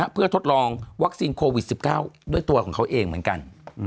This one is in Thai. เพื่อทดลองวัคซีนโควิด๑๙ด้วยตัวของเขาเองเหมือนกัน